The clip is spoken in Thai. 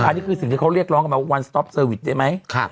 อันนี้คือสิ่งที่เขาเรียกร้องกันมาวันสต๊อปเซอร์วิสได้ไหม